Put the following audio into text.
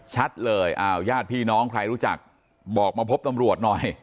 ชัดเลยอ้าวญาติพี่น้องใครรู้จักบอกมาพบตำรวจหน่อย